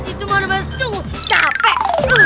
itu mana mana sungguh capek